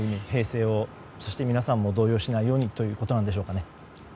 平静を皆さんも動揺しないようにということなんでしょうかね。